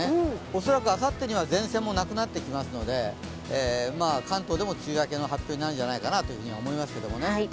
恐らくあさってには前線もなくなってきますので、関東でも梅雨明けの発表になるんじゃないかなというふうに思いますけどね。